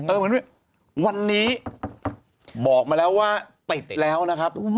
เหมือนวันนี้บอกมาแล้วว่าติดแล้วนะครับ